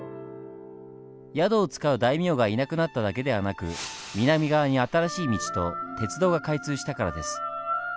宿を使う大名がいなくなっただけではなく南側に新しい道と鉄道が開通したからです。